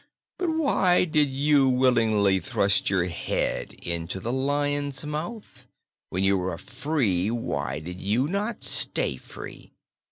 But why did you willingly thrust your head into the lion's mouth? When you were free, why did you not stay free?